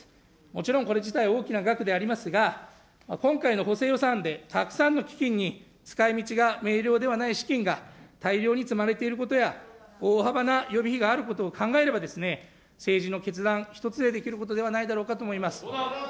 もちろんこれ自体、大きな額ではありますが、今回の補正予算でたくさんの基金に使いみちが明瞭ではない資金が大量に積まれていることや、大幅な予備費があることを考えれば、政治の決断、１つでできることではないかと思います。